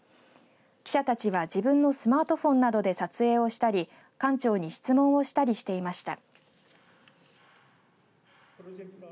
記者たちは自分のスマートフォンなどで撮影をしたり館長に質問をしたりしていました。